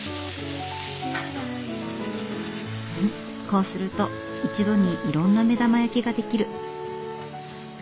こうすると一度にいろんな目玉焼きが出来る。